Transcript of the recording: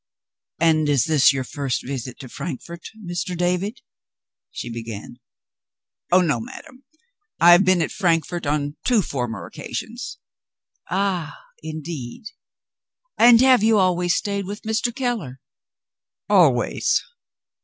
"And is this your first visit to Frankfort, Mr. David?" she began. "Oh, no, madam! I have been at Frankfort on two former occasions." "Ah, indeed? And have you always stayed with Mr. Keller?" "Always."